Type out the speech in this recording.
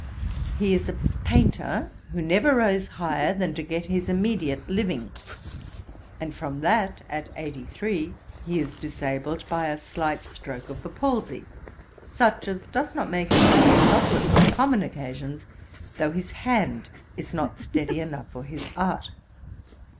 He is a painter, who never rose higher than to get his immediate living, and from that, at eighty three, he is disabled by a slight stroke of the palsy, such as does not make him at all helpless on common occasions, though his hand is not steady enough for his art.